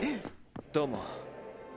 どうも。